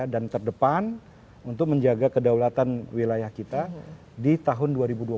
dan terdepan untuk menjaga kedaulatan wilayah kita di tahun dua ribu dua puluh satu